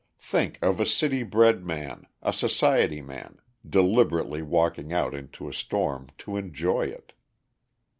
Think of a city bred man, a society man, deliberately walking out into a storm to enjoy it.